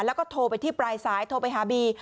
แล้วก็โทรไปที่ปลายสายโทรไปหาบี